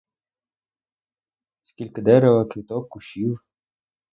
Скільки дерева, квіток, кущів!